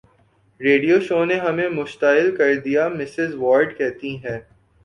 radio show نے ہمیں مشتعل کر دیا مسز وارد کہتی ہے